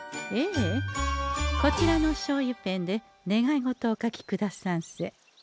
こちらのしょうゆペンで願い事をお書きくださんせ。